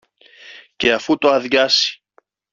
και αφού το αδειάσει